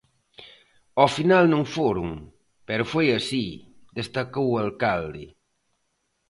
Ao final non foron, pero foi así, destacou o alcalde.